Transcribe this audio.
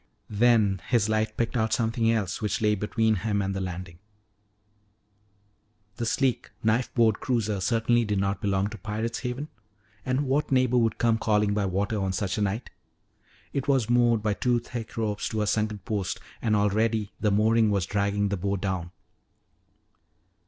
Then his light picked out something else which lay between him and the landing. The sleek, knife bowed cruiser certainly did not belong to Pirate's Haven. And what neighbor would come calling by water on such a night? It was moored by two thick ropes to a sunken post, and already the mooring was dragging the bow down.